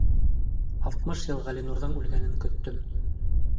Алтмыш йыл Ғәлинурҙың үлгәнен көттөм!